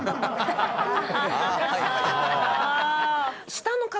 下の方？